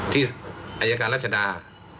ที่อายการรัชดา